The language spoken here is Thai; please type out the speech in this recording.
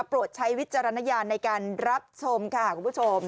ใช้วิจารณญาณในการรับชมค่ะคุณผู้ชม